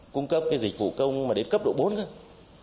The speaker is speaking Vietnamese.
cung cấp cái dịch vụ công mà đến cấp độ bốn cơ